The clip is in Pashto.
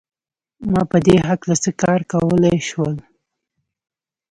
ما په دې هکله څه کار کولای شول